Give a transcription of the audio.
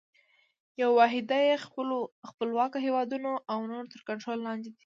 یوه واحده یې خپلواکه هیوادونه او نور تر کنټرول لاندي دي.